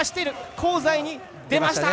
香西に出ました。